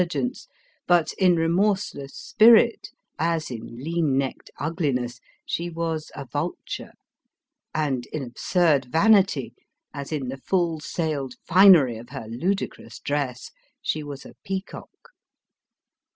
273 gence ; but in remorseless spirit, as in lean necked ug liness, she was a vulture ; and in absurd vanity, as in the full sailed finery of her ludicrous dress, she was a peacock.